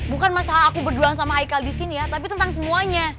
bukan masalah aku berdua sama haikal disini ya tapi tentang semuanya